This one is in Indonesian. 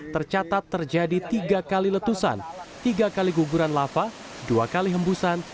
tercatat terjadi tiga kali letusan tiga kali guguran lava dua kali hembusan